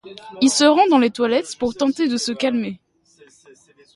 Il se rend dans les toilettes pour tenter de se calmer.